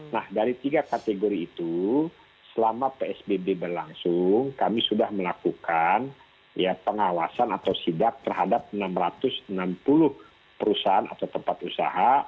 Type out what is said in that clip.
nah dari tiga kategori itu selama psbb berlangsung kami sudah melakukan pengawasan atau sidak terhadap enam ratus enam puluh perusahaan atau tempat usaha